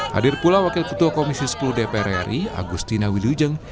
hadir pula wakil ketua komisi sepuluh dpr ri agustina wilujeng